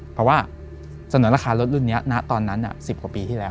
เพราะว่าเสนอราคารถรุ่นนี้ณตอนนั้น๑๐กว่าปีที่แล้ว